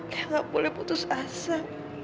kayak gak boleh putus asa